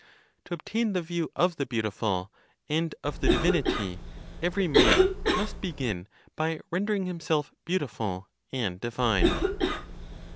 To obtain the view of the beautiful, and of the divinity, every man must begin by rendering himself beautiful and divine.